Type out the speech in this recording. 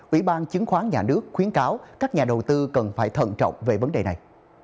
ủy ban chứng khoán nhà nước khuyến cáo các nhà đầu tư cần phải thận trọng về vấn đề này